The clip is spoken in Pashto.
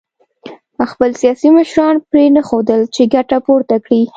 خپل سیاسي مشران پرېنښودل چې ګټه پورته کړي